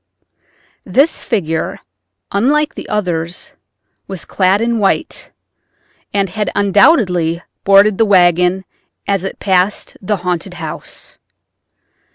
This figure, unlike the others, was clad in white, and had undoubtedly boarded the wagon as it passed the haunted house.